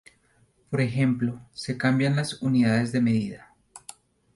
Por ejemplo, se cambian las unidades de medida.